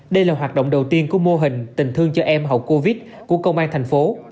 đây là hoạt động đầu tiên của mô hình tình thương cho em hậu covid của công an thành phố